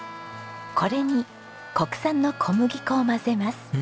これに国産の小麦粉を混ぜます。